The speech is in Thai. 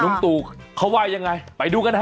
ตู่เขาว่ายังไงไปดูกันฮะ